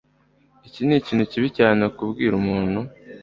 Iki nikintu kibi cyane kubwira umuntu.